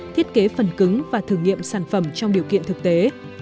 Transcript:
thiết kế phần cứng và thử nghiệm sản phẩm trong điều kiện thực tế